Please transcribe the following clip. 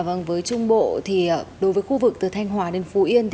vâng với trung bộ thì đối với khu vực từ thanh hòa đến phú yên